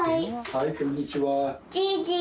はいこんにちは。